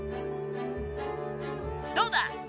どうだ？